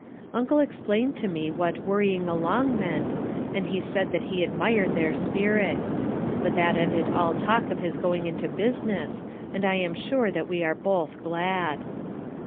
Uncle explained to me what "worrying along" meant and he said that he admired their spirit. But that ended all talk of his going into business and I am sure that we were both glad.